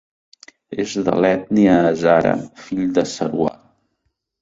És de l'ètnia hazara, fill de Sarwar.